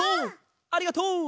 ありがとう！